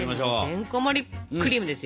てんこもりクリームですよ。